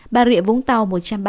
bà rịa vũng tàu một trăm ba mươi tám